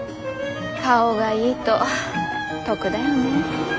顔がいいと得だよね。